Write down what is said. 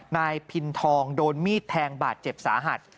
นายพินทองโดนมีดแทงบาดเจ็บสาหัส